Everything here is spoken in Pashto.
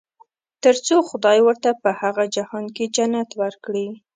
تر څو خدای ورته په هغه جهان کې جنت ورکړي.